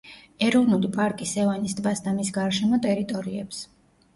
ეროვნული პარკი სევანის ტბას და მის გარშემო ტერიტორიებს.